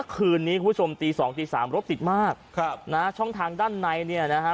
คืนนี้คุณผู้ชมตีสองตีสามรถติดมากครับนะฮะช่องทางด้านในเนี่ยนะฮะ